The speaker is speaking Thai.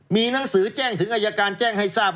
มีหนังสือแจ้งถึงอายการแจ้งให้ทราบ